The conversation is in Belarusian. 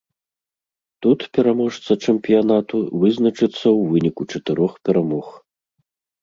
Тут пераможца чэмпіянату вызначыцца ў выніку чатырох перамог.